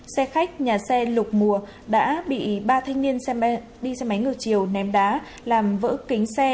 xe khách nhà xe lục mùa đã bị ba thanh niên đi xe máy ngược chiều ném đá làm vỡ kính xe